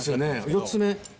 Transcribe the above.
４つ目。